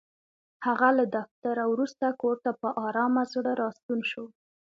هغه له دفتره وروسته کور ته په ارامه زړه راستون شو.